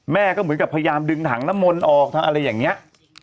แม่ก็เหมือนกับพยายามดึงถังน้ำมนต์ออกอะไรแบบเนี่ย